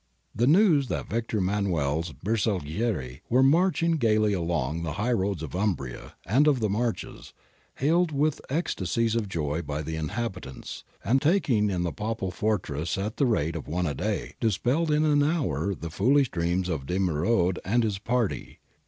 The news that Victor Emmanuel's Bersaglieri were marching gaily along the high roads of Umbria and of the Marches, hailed with ecstasies of joy by the inhabitants, and taking in the Papal fortresses at the rate of one a day, dispelled in an hour the foolish dreams of De Merode and his party.